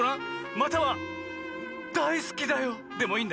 または「だいすきだよ！」でもいいんだよ。